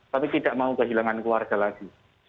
tapi tidak mau kehilangan keluarga lagi